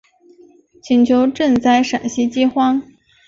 请求赈灾陕西饥荒。